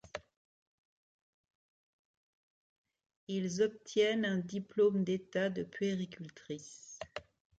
Ils obtiennent un diplôme d'État de puéricultrice.